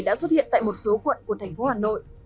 đã xuất hiện tại một số quận của thành phố hà nội